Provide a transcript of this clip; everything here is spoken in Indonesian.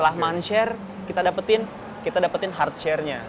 setelah man share kita dapetin kita dapetin hard share nya